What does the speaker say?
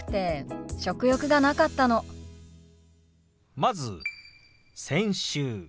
まず「先週」。